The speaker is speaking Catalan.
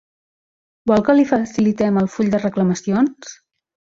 Vol que li facilitem un full de reclamacions?